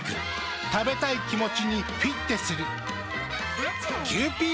食べたい気持ちにフィッテする。